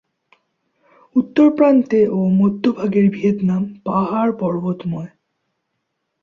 উত্তর প্রান্তে ও মধ্যভাগের ভিয়েতনাম পাহাড়-পর্বতময়।